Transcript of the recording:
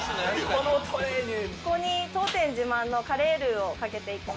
ここに当店自慢のカレールーをかけていきます。